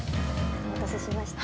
お待たせしました。